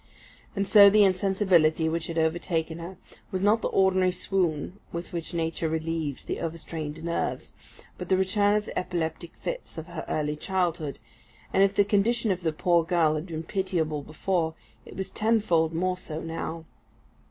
And so the insensibility which had overtaken her, was not the ordinary swoon with which Nature relieves the overstrained nerves, but the return of the epileptic fits of her early childhood; and if the condition of the poor girl had been pitiable before, it was tenfold more so now.